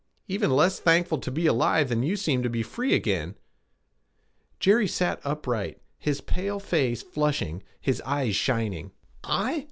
'Even less thankful to be alive than you seem to be free again.' Jerry sat upright, his pale face flushing, his eyes shining. 'I?